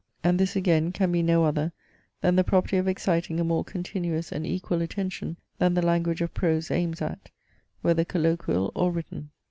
And this again can be no other than the property of exciting a more continuous and equal attention than the language of prose aims at, whether colloquial or written.